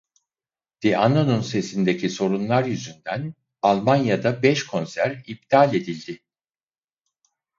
Di'Anno'nun sesindeki sorunlar yüzünden Almanya'da beş konser iptal edildi.